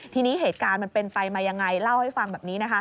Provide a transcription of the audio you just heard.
ทีนี้เหตุการณ์มันเป็นไปมายังไงเล่าให้ฟังแบบนี้นะคะ